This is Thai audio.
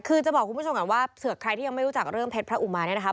คือจะบอกคุณผู้ชมกันว่าเสือใครที่ยังไม่รู้จักเรื่องเพศพระอุมานี่